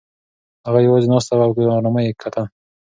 هغه یوازې ناسته وه او په ارامۍ یې کتل.